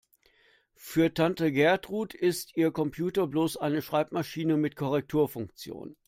Für Tante Gertrud ist ihr Computer bloß eine Schreibmaschine mit Korrekturfunktion.